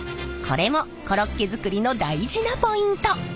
これもコロッケ作りの大事なポイント！